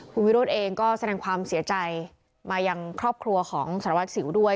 คุณวิโรธเองก็แสดงความเสียใจมายังครอบครัวของสารวัตรสิวด้วย